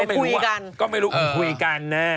รู้ได้ไงว่ามีก็ไม่รู้อ่ะก็ไม่รู้ว่าคุณคุยกันนะ